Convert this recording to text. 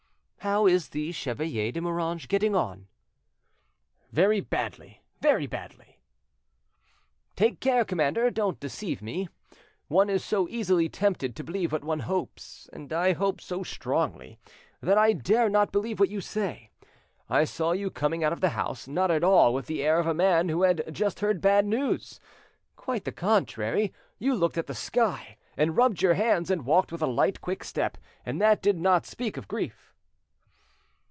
"How is the Chevalier de Moranges getting on?" "Very badly, very badly." "Take care, commander; don't deceive me. One is so easily tempted to believe what one hopes, and I hope so strongly that I dare not believe what you say. I saw you coming out of the house, not at all with the air of a man who had just heard bad news, (quite the contrary) you looked at the sky, and rubbed your hands, and walked with a light, quick step, that did not speak of grief."